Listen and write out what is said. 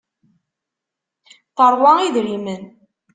Teṛwa idrimen.